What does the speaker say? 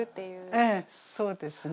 ええそうですね。